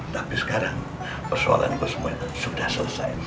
tapi sekarang persoalan gue sudah selesai